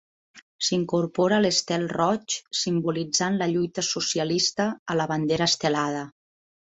S'incorpora l'estel roig simbolitzant la lluita socialista a la bandera Estelada.